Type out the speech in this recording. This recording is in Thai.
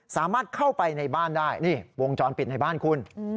สามารถเข้าไปในบ้านได้นี่วงจรปิดในบ้านคุณ